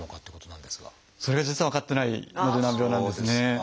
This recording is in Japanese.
それが実は分かってないので難病なんですね。